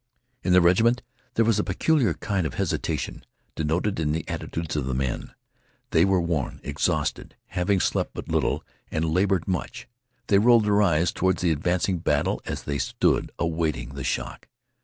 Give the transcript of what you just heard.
In the regiment there was a peculiar kind of hesitation denoted in the attitudes of the men. They were worn, exhausted, having slept but little and labored much. They rolled their eyes toward the advancing battle as they stood awaiting the shock.